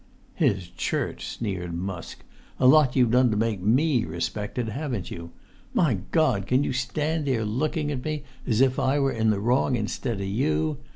"His Church!" sneered Musk. "A lot you've done to make me respect it, haven't you? My God, can you stand there looking at me as if I were in the wrong instead o' you?